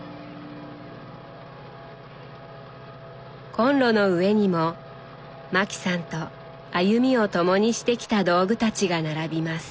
コンロの上にもマキさんと歩みを共にしてきた道具たちが並びます。